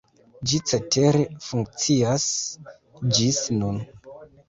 Ĝi cetere funkcias ĝis nun.